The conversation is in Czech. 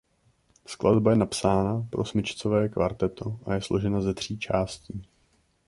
Skladba je napsána pro smyčcové kvarteto a je složena ze tří částí.